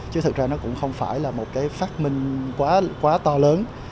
chứ thật ra nó cũng không phải là một cái phát minh quá to lớn